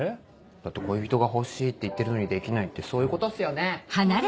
だって「恋人が欲しい」って言ってるのにできないってそういうことっすよね。